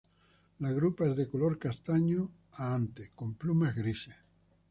La grupa es de color castaño a ante con plumas grises.